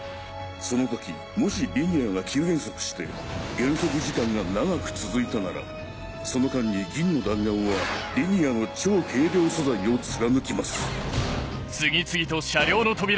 その時もしリニアが急減速して減速時間が長く続いたならその間に銀の弾丸はリニアの超軽量素材を貫きます。